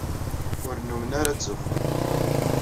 Ur nnummen ara ttzuxxun.